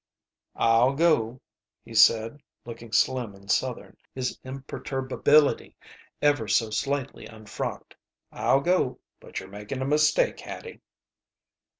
"I'll go," he said, looking slim and Southern, his imperturbability ever so slightly unfrocked "I'll go, but you're making a mistake, Hattie."